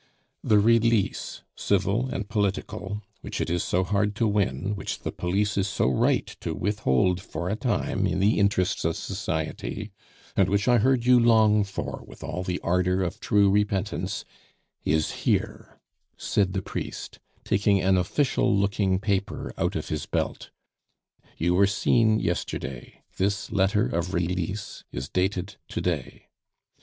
"The release, civil and political, which it is so hard to win, which the police is so right to withhold for a time in the interests of society, and which I heard you long for with all the ardor of true repentance is here," said the priest, taking an official looking paper out of his belt. "You were seen yesterday, this letter of release is dated to day.